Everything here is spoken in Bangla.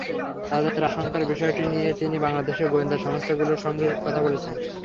তাদের আশঙ্কার বিষয়টি নিয়ে তিনি বাংলাদেশের গোয়েন্দা সংস্থাগুলোর সঙ্গে কথা বলেছেন।